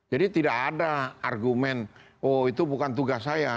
jadi tidak ada argumen oh itu bukan tugas saya